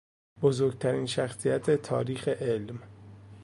بزرگترین شخصیت تاریخ علم